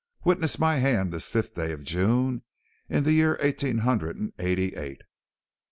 "Witness my hand this fifth day of June, in the year eighteen hundred and eighty eight.